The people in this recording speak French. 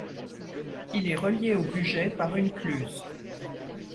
Il est relié au Bugey par une cluse.